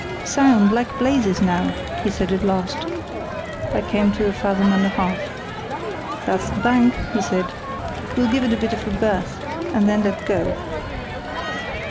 "Sound, like blazes now!" he said at last. I came to a fathom and a half. "That's the bank," he said; "we'll give it a bit of a berth and then let go."